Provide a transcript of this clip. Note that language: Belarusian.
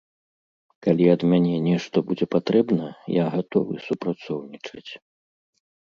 Калі ад мяне нешта будзе патрэбна, я гатовы супрацоўнічаць.